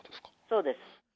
そうです。